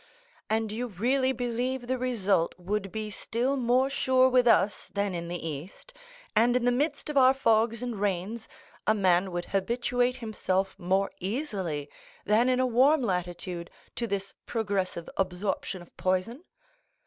"And you really believe the result would be still more sure with us than in the East, and in the midst of our fogs and rains a man would habituate himself more easily than in a warm latitude to this progressive absorption of poison?"